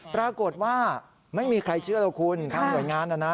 ปรากฏว่าไม่มีใครเชื่อหรอกคุณทางหน่วยงานนะนะ